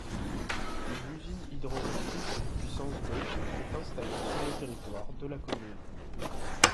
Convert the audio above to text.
Une usine hydroélectrique d'une puissance de est installée sur le territoire de la commune.